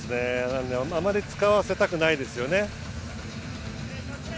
あまり使わせたくないですよね。